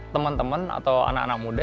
temen temen atau anak anak muda